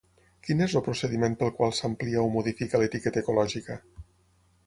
Quin és el procediment pel qual s'amplia o modifica l'etiqueta ecològica?